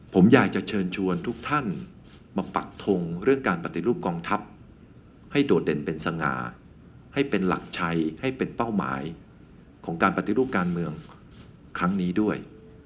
ผมอยากจะเชิญชวนทุกท่านมาปักทงเรื่องการปฏิรูปกองทัพให้โดดเด่นเป็นสง่าให้เป็นหลักชัยให้เป็นเป้าหมายของการปฏิรูปการเมืองครั้งนี้ด้วย